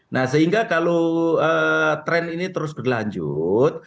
nah sehingga kalau tren ini terus berlanjut